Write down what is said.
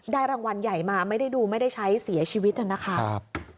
รางวัลใหญ่มาไม่ได้ดูไม่ได้ใช้เสียชีวิตนะครับ